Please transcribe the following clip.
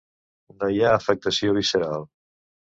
No hi ha afectació visceral.